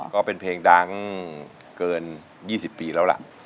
ก็เป็นเพลงดังเกิน๒๐ปีแล้วล่ะ